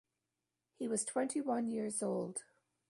He was twenty-one years old.